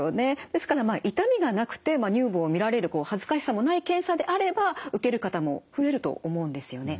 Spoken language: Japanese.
ですから痛みがなくて乳房を見られる恥ずかしさもない検査であれば受ける方も増えると思うんですよね。